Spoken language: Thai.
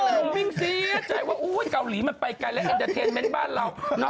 ลุงมิ้งเสียใจว่าอุ๊ยเกาหลีมันไปไกลแล้วอันแนตเทนเม้นท์บ้านเรา